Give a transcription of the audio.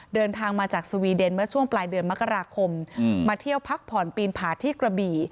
เดินทางมาจากสวีเดนเมื่อช่วงปลายเดือนมกราคมมาเที่ยวพักผ่อนปีนผาที่กระบี่